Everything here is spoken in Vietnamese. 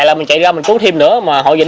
là mình chạy ra mình cứu thêm nữa mà họ dạy